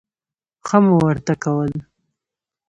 ښه مو ورته کول.